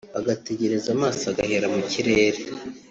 bagategereza amaso agahera mu kirere